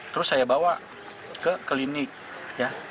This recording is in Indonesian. terus saya bawa ke klinik ya